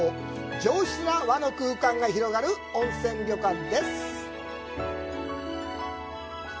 上質な和の空間が広がる温泉旅館です。